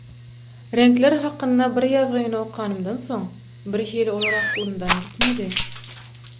Reňkler hakynda bir ýazgyny okanymdan soň, birhili olar aklymdan gitmedi.